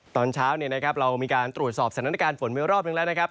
ตอนเช้าเนี่ยนะครับเรามีการตรวจสอบสถานการณ์ฝนเวลารอบหนึ่งแล้วนะครับ